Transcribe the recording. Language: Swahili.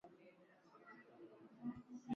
Ametumia kifaa gani kukulazimisha